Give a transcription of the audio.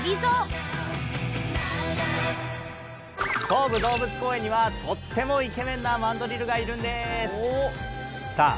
東武動物公園にはとってもイケメンなマンドリルがいるんですさあ